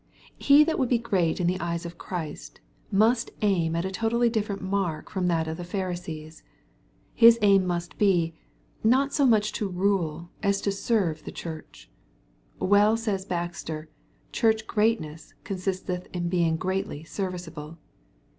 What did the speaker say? He that would be great in the eyes of Christ, must aim at a totally different mark from that of the Pharisees. His aim must be, not so much to rule as to serve the Church. Well says Baxter, " church greatness consisteth in being greatly serviceable."